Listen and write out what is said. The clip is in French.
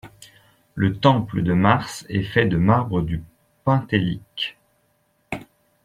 Le temple de Mars est fait de marbre du Pentélique.